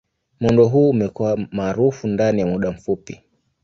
Muundo huu umekuwa maarufu ndani ya muda mfupi.